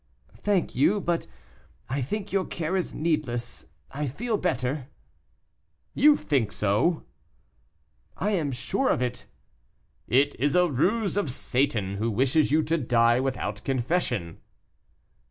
"Thank you, but I think your care is needless; I feel better." "You think so?" "I am sure of it." "It is a ruse of Satan, who wishes you to die without confession."